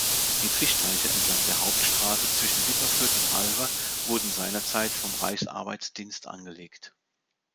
Die Fischteiche entlang der Hauptstraße zwischen Wipperfürth und Halver wurden seinerzeit vom Reichsarbeitsdienst angelegt.